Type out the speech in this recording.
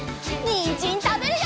にんじんたべるよ！